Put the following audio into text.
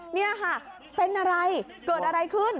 นี่ค่ะเป็นอะไรเกิดอะไรขึ้น